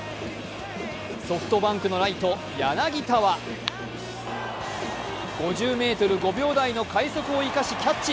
ソフトバンクのライト・柳田は５０ｍ５秒台の快速を生かしキャッチ。